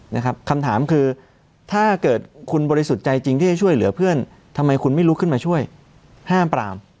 นะครับคำถามคือถ้าเกิดคุณบริสุทธิ์ใจจริงที่จะช่วยเหลือเพื่อนทำไมคุณไม่ลุกขึ้นมาช่วยห้ามปราม